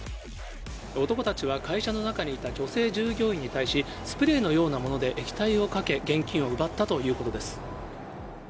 男たちは会社の中にいた女性従業員に対し、スプレーのようなもので液体をかけ、現金を奪ったということです。